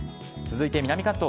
続いて南関東。